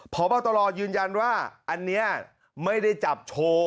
พบตรยืนยันว่าอันนี้ไม่ได้จับโชว์